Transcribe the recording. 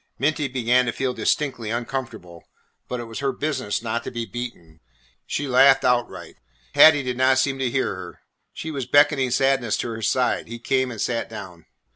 Minty began to feel distinctly uncomfortable, but it was her business not to be beaten. She laughed outright. Hattie did not seem to hear her. She was beckoning Sadness to her side. He came and sat down.